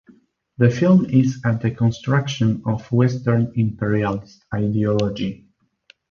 The film is a deconstruction of Western imperialist ideology.